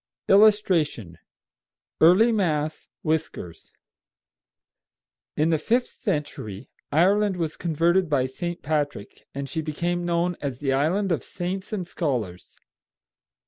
[Illustration: "EARLY MASS" WHISKERS.] In the fifth century Ireland was converted by St. Patrick, and she became known as the Island of Saints and Scholars.